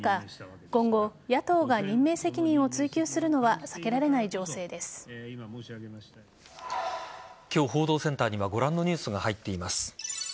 今後、野党が任命責任を追及するのは今日、報道センターにはご覧のニュースが入っています。